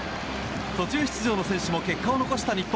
途中出場の選手も結果を残した日本。